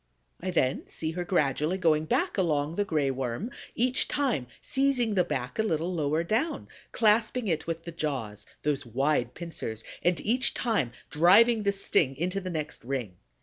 I then see her gradually going back along the Gray Worm, each time seizing the back a little lower down, clasping it with the jaws, those wide pincers, and each time driving the sting into the next ring.